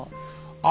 あ！